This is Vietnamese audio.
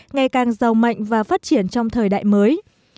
ngày càng giàu mạnh và phát triển trong thời đại mới